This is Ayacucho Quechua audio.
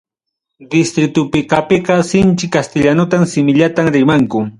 Distritupiqapiqa sinchi castellano simillatam rimanku.